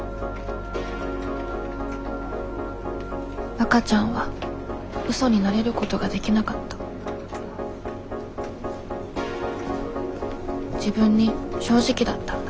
わかちゃんは嘘に慣れることができなかった自分に正直だったんだ